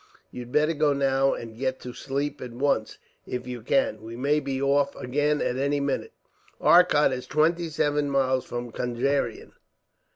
You'd better go now, and get to sleep at once, if you can. We may be off again, at any minute." Arcot is twenty seven miles from Conjeveram.